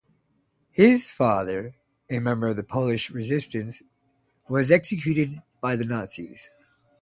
His father, a member of the Polish Resistance, was executed by the Nazis.